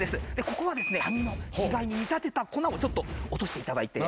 ここはですねダニの死骸に見立てた粉をちょっと落として頂いて。